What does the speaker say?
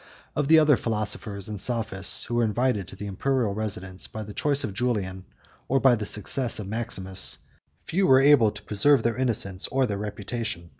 Of the other philosophers and sophists, who were invited to the Imperial residence by the choice of Julian, or by the success of Maximus, few were able to preserve their innocence or their reputation.